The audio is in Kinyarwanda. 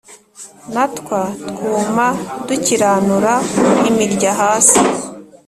Na twa twuma dukiranura imirya hasi